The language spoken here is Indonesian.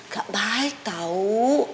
gak baik tau